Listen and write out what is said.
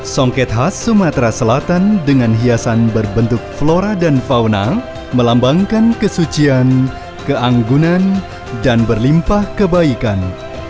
songket khas sumatera selatan dengan hiasan berbentuk flora dan fauna melambangkan kesucian keanggunan dan berlimpah kebaikan